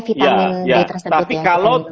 vitamin d tersebut ya ya tapi kalau